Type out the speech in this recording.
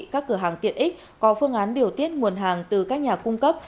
các cửa hàng tiện ích có phương án điều tiết nguồn hàng từ các nhà cung cấp